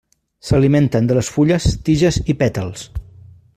S'alimenten de les fulles, tiges i pètals.